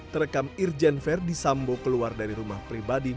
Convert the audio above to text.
terekam irjen verdi sambo keluar dari rumah pribadi